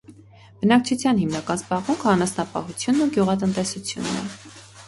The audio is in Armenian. Բնակչության հիմնական զբաղմունքը անասնապահությունն ու գյուղատնտեսությունն է։